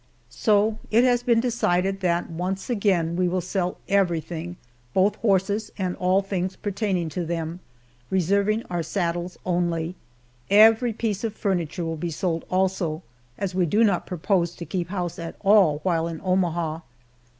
So it has been decided that once again we will sell everything both horses and all things pertaining to them, reserving our saddles only. Every piece of furniture will be sold, also, as we do not purpose to keep house at all while in Omaha.